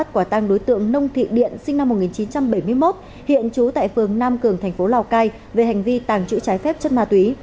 quả tăng đối tượng nông thị điện sinh năm một nghìn chín trăm bảy mươi một hiện trú tại phường nam cường thành phố lào cai về hành vi tàng trữ trái phép chất ma túy